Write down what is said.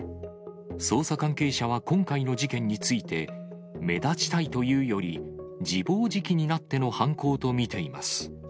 捜査関係者は今回の事件について、目立ちたいというより、自暴自棄になっての犯行と見ています。